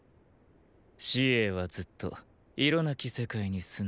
紫詠はずっと色無き世界に住んでいる。